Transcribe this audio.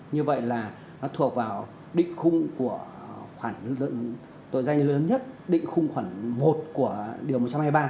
như vậy là nó thuộc vào định khung của khoản tội danh lớn nhất định khung khoản một của điều một trăm hai mươi ba